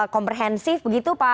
komprehensif begitu pak